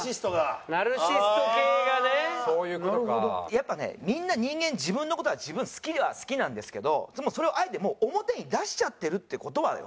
やっぱねみんな人間自分の事は自分好きは好きなんですけどそれをあえてもう表に出しちゃってるって事はよ。